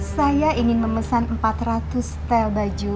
saya ingin memesan empat ratus setel baju